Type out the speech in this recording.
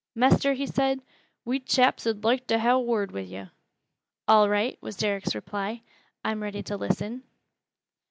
"Mester," he said, "we chaps 'ud loike to ha' a word wi' yo'." "All right," was Derrick's reply, "I am ready to listen."